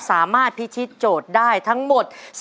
สามารถพิธีโจทย์ได้ทั้งหมด